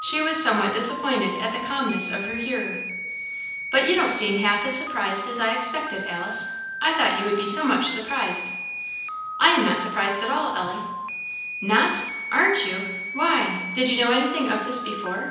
She was somewhat disappointed at the calmness of her hearer. "But you don't seem half as surprised as I expected, Alice; I thought you would be so much surprised." "I am not surprised at all, Ellie." "Not! aren't you? why, did you know anything of this before?"